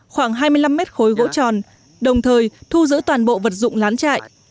khoảng hai mươi năm mét khối gỗ tròn đồng thời thu giữ toàn bộ vật dụng lán chạy